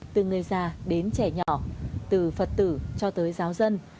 từ người già đến trẻ nhỏ từ phật tử cho tới giáo dân